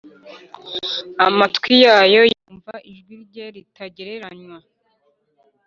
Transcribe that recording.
amatwi yabo yumva ijwi rye ritagereranywa